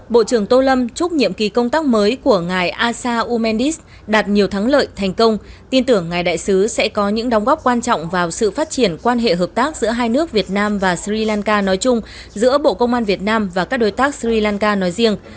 bộ trưởng tô lâm chúc nhiệm kỳ công tác mới của ngài asa umendis đạt nhiều thắng lợi thành công tin tưởng ngài đại sứ sẽ có những đóng góp quan trọng vào sự phát triển quan hệ hợp tác giữa hai nước việt nam và sri lanka nói chung giữa bộ công an việt nam và các đối tác sri lanka nói riêng